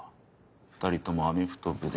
２人ともアメフト部で。